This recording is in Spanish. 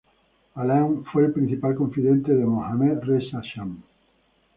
Alam fue el principal confidente de Mohammad Reza Shah.